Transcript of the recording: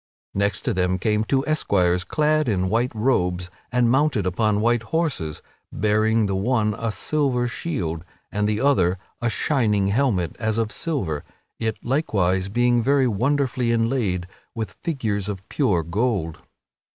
Next to them came two esquires, clad in white robes and mounted upon white horses, bearing the one a silver shield and the other a shining helmet, as of silver it likewise being very wonderfully inlaid with figures of pure gold.